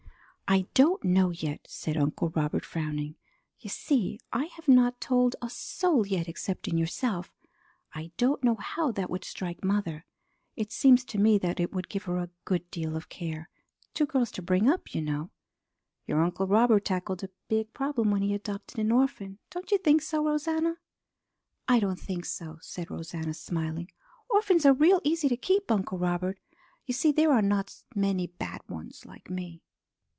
"I don't know yet," said Uncle Robert, frowning. "You see I have not told a soul yet excepting yourself. I don't know how that would strike mother. It seems to me that it would give her a good deal of care. Two girls to bring up, you know. Your Uncle Robert tackled a big problem when he adopted an orphan, don't you think so, Rosanna?" "I don't think so," said Rosanna, smiling. "Orphans are real easy to keep, Uncle Robert. You see there are not many bad ones like me."